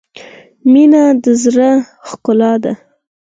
• مینه د زړۀ ښکلا ده.